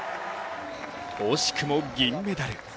惜しくも銀メダル。